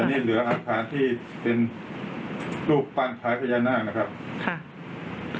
อันนี้เหลืออาคารที่เป็นรูปปั้นคล้ายพญานาคนะครับค่ะ